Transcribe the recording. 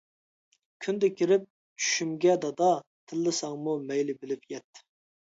كۈندە كىرىپ چۈشۈمگە دادا، تىللىساڭمۇ مەيلى بىلىپ يەت.